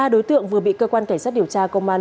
ba đối tượng vừa bị cơ quan cảnh sát điều tra công an